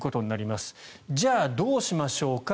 じゃあ、どうしましょうか。